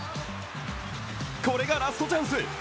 これがラストチャンス。